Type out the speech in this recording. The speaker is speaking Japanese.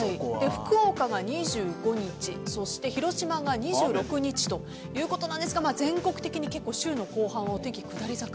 福岡が２５日そして広島が２６日ということなんですが全国的に週の後半、天気下り坂。